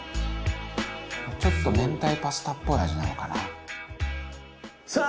「ちょっと明太パスタっぽい味なのかな？」